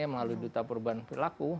melalui duta perubahan perlaku